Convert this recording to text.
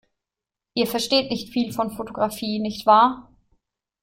Ihr versteht nicht viel von Fotografie, nicht wahr?